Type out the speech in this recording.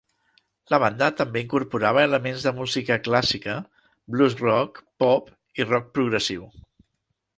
La banda també incorporava elements de música clàssica, blues-rock, pop i rock progressiu.